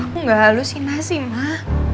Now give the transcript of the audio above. aku gak halusinasi mak